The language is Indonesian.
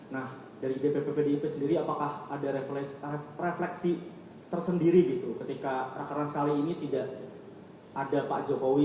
nah dari dpp pdip sendiri apakah ada refleksi tersendiri gitu ketika rakernas kali ini tidak ada pak jokowi